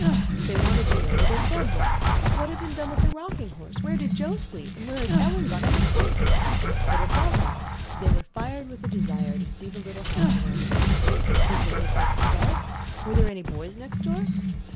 They wanted to know where their bed was; what had been done with their rocking horse; and where did Joe sleep, and where had Ellen gone, and the cook? But, above all, they were fired with a desire to see the little house around the block. Was there any place to play? Were there any boys next door?